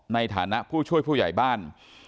ในฐานะผู้ช่วยผู้ใหญ่บ้าน